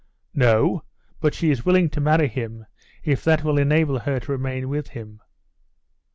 "No, but she is willing to marry him if that will enable her to remain with him."